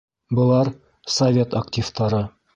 Былар — совет активтары.